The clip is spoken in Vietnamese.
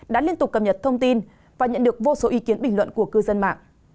đã liên tục cập nhật thông tin và nhận được vô số ý kiến bình luận của cư dân mạng